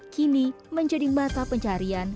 kini menjadi mata pencarian